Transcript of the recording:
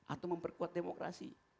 atau memperkuat demokrasi